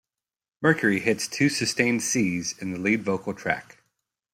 Mercury hits two sustained Cs in the lead vocal track.